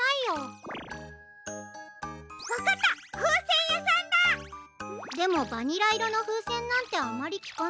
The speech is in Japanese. でもバニラいろのふうせんなんてあまりきかないよ？